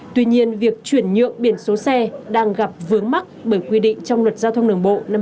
tuy nhiên việc chuyển nhượng biển số xe đang gặp vướng mắc bởi quy định trong luật giao thông đường bộ